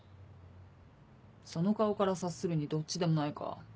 その顔から察するにどっちでもないか。